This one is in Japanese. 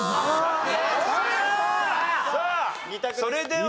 さあそれでは。